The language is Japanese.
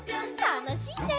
たのしいね。